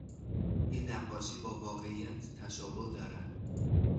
این نقاشی با واقعیت تشابه دارد.